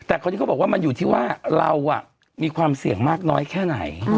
แต่คนที่เขาบอกว่ามันอยู่ที่ว่าเรามีความเสี่ยงมากน้อยแค่ไหน